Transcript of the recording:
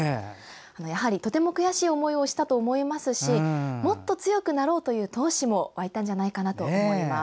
やはり、とても悔しい思いをしたでしょうしもっと強くなろうという闘志も湧いたんじゃないかと思います。